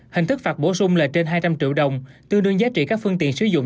hình thức phạt bổ sung là trên hai trăm linh triệu đồng tương đương giá trị các phương tiện sử dụng